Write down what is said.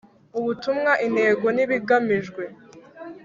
Ubutumwa intego n ibigamijwe